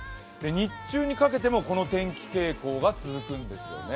日中にかけてもこの天気傾向が続くんですよね。